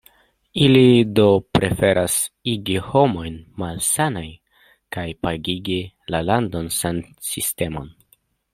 Ili do preferas igi homojn malsanaj kaj pagigi la landan sansistemon.